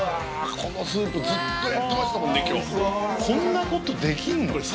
こんなことできんの？